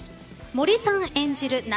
森さん演じる夏